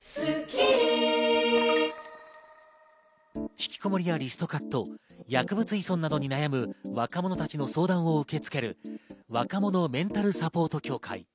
引きこもりやリストカット、薬物依存なのに悩む若者たちの相談を受け付ける若者メンタルサポート協会。